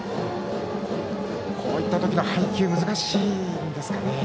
こういった時の配球は難しいんですかね。